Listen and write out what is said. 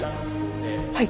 はい。